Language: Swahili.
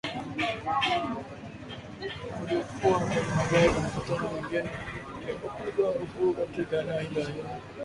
ulikuwa kwenye magari na mikutano mingine haikupigwa marufuku katika eneo hilo hilo